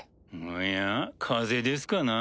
おや風邪ですかな？